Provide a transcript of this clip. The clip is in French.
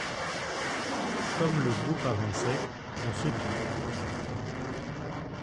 Comme le groupe avançait, on se tut.